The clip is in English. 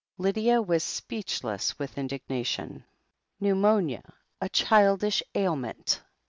Lydia was speechless with indignation. Pneumonia a childish ailment!